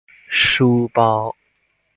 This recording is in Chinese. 书包